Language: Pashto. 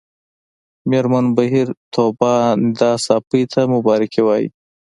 مېرمن بهیر طوبا ندا ساپۍ ته مبارکي وايي